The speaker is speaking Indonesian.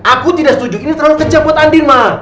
aku tidak setuju ini terlalu kejam buat andin ma